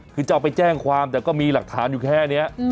คือจะเอาไปแจ้งความแต่ก็มีหลักฐานอยู่แค่นี้